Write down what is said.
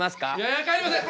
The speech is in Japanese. いや帰りません！